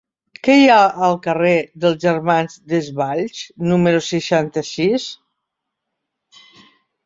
Què hi ha al carrer dels Germans Desvalls número seixanta-sis?